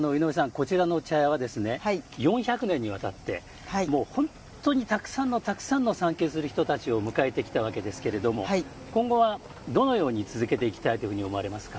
こちらの茶屋は４００年にわたってもう本当にたくさんのたくさんの参詣する人たちを迎えてきたわけですけれども今後はどのように続けていきたいと思われますか。